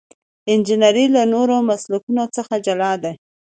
انجنیری له نورو مسلکونو څخه جلا ده.